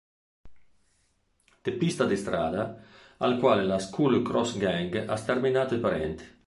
Teppista di strada al quale la Skull Cross Gang ha sterminato i parenti.